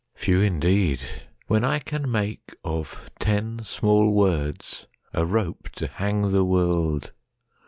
Few indeed! When I can makeOf ten small words a rope to hang the world!